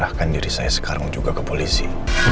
serahkan diri saya sekarang juga ke polisi